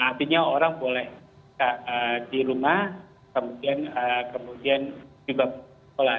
artinya orang boleh di rumah kemudian juga sekolah